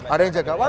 ada yang jaga